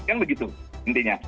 kan begitu intinya